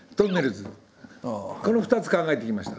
「この２つ考えてきました。